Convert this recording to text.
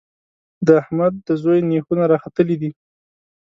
د احمد د زوی نېښونه راختلي دي.